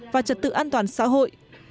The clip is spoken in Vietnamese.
và trật tự an toàn xã hội